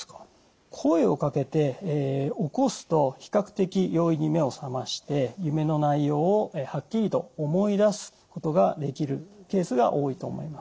声をかけて起こすと比較的容易に目を覚まして夢の内容をはっきりと思い出すことができるケースが多いと思います。